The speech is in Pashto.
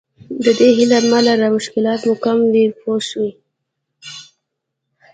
د دې هیله مه لره مشکلات مو کم وي پوه شوې!.